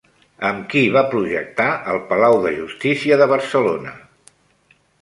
Amb qui va projectar el Palau de Justícia de Barcelona?